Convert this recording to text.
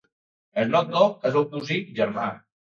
Snoop Dogg és el seu cosí germà.